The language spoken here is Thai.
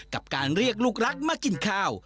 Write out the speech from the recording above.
กับการเรียกลูกรักมากินข้าว